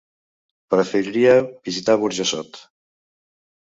Preferiria visitar Burjassot.